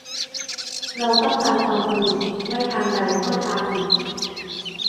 เราต้องการความสนุกไม่ทางใดก็ทางหนึ่ง